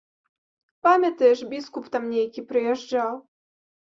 Памятаеш, біскуп там нейкі прыязджаў?